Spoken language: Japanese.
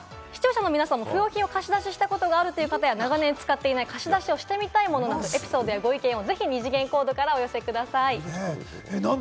視聴者の皆さんも貸し出しをしたことがあるという方や長年使っていない、貸し出してみたいものなどエピソードやご意見を二次元コードからお寄せください。